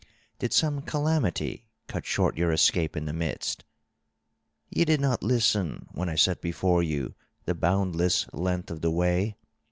Did some calamity cut short your escape in the midst? Ye did not listen when I set before you the boundless length of the way.